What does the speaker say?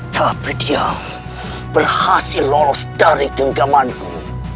tapi dia berhasil lolos dari genggamanku